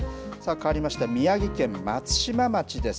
かわりまして、宮城県松島町です。